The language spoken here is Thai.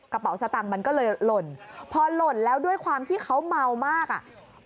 กระเป๋าสตังค์มันก็เลยหล่นพอหล่นแล้วด้วยความที่เขาเมามากอ่ะ